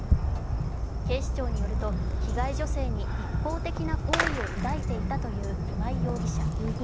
警視庁によると、被害女性に一方的な好意を抱いていたという今井容疑者。